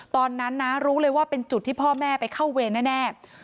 ตอนนั้นนะรู้เลยว่าเป็นจุดที่พ่อแม่ไปเข้าเวรแน่